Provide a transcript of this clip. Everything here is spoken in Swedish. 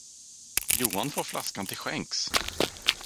Johan får flaskan till skänks!